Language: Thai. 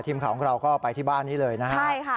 ทีมของเราก็ไปที่บ้านนี้เลยนะคะ